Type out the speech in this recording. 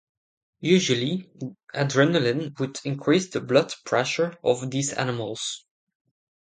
Usually, adrenaline would increase the blood pressure of these animals.